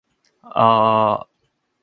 aaaa